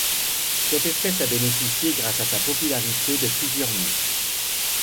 Cette espèce a bénéficié, grâce à sa popularité, de plusieurs noms.